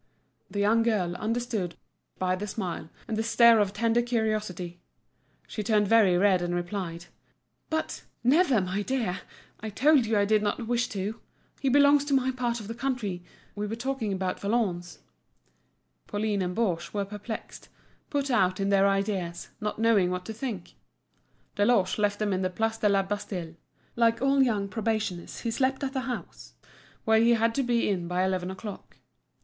The young girl understood by the smile and the stare of tender curiosity; she turned very red and replied: "But—never, my dear! I told you I did not wish to! He belongs to my part of the country. We were talking about Valognes." Pauline and Baugé were perplexed, put out in their ideas, not knowing what to think. Deloche left them in the Place de la Bastille; like all young probationers, he slept at the house, where he had to be in by eleven o'clock.